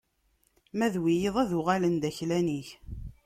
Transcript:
Ma d wiyaḍ ad uɣalen d aklan-ik!